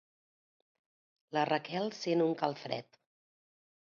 La Raquel sent un calfred.